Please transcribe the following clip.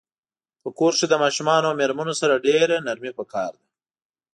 په کور کښی د ماشومانو او میرمنو سره ډیره نرمی پکار ده